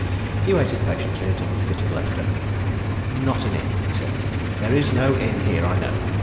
He waited patiently until the fit had left her. "Not an inn," he said. "There is no inn here, I know.